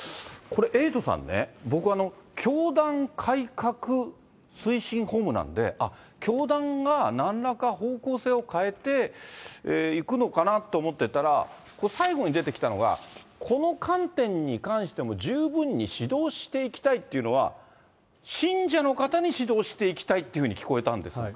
これ、エイトさんね、僕、教団改革推進本部なんで、あっ、教団がなんらか方向性を変えていくのかなと思ってたら、最後に出てきたのが、この観点に関しても十分に指導していきたいっていうのは、信者の方に指導していきたいっていうふうに聞こえたんですが。